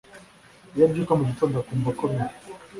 Iyo abyuka mu gitondo akumva akomeye;